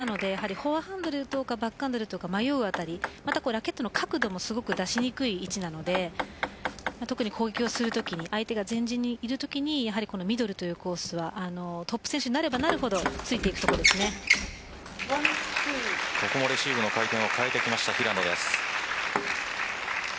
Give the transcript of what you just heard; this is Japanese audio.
体の中心なので、後半どっかバックハンドかフォアハンドで打とうかラケットの角度も出しにくい位置なので特に攻撃をするときに相手が前陣にいるときにミドルというコースはトップ選手になればなるほどここもレシーブの回転を変えてきました平野です。